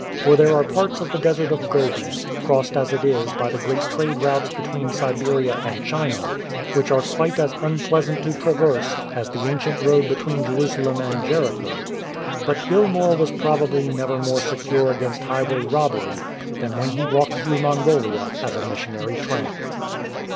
For there are parts of the Desert of Gobi, crossed as it is by the great trade routes between Siberia and China, which are quite as unpleasant to traverse as the ancient road between Jerusalem and Jericho. But Gilmour was probably never more secure against highway robbery than when he walked through Mongolia as a missionary tramp.